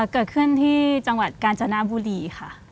เกิดขึ้นที่จังหวัดกาญจนบุรีค่ะ